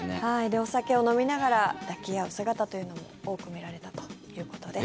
お酒を飲みながら抱き合う姿というのも多く見られたということです。